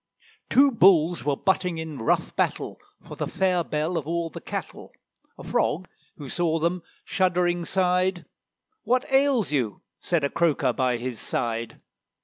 Two Bulls were butting in rough battle, For the fair belle of all the cattle; A Frog, who saw them, shuddering sighed. "What ails you?" said a croaker by his side.